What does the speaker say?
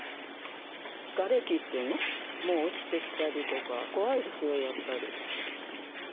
がれきっていうの？も落ちてきたりとか、怖いですよ、やっぱり。